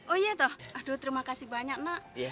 oh iya tuh aduh terima kasih banyak nak